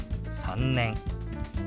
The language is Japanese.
「３年」。